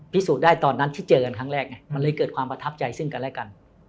พิสูจน์ได้ตอนนั้นที่เจอกันครั้งแรกไงมันเลยเกิดความประทับใจซึ่งกันและกัน